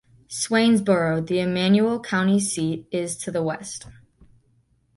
Swainsboro, the Emanuel County seat, is to the west.